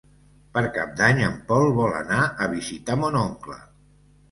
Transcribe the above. Per Cap d'Any en Pol vol anar a visitar mon oncle.